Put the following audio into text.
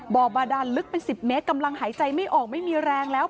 บ่อบาดานลึกเป็น๑๐เมตรกำลังหายใจไม่ออกไม่มีแรงแล้ว